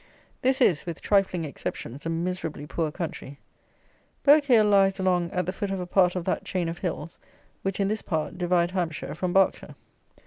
This is, with trifling exceptions, a miserably poor country. Burghclere lies along at the foot of a part of that chain of hills, which, in this part, divide Hampshire from Berkshire.